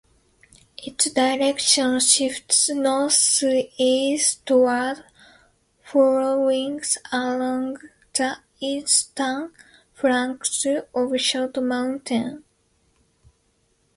Its direction shifts northeastward following along the eastern flanks of Short Mountain.